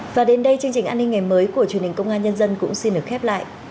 và đến đây chương trình an ninh ngày mới của truyền hình công an nhân dân cũng xin được khép lại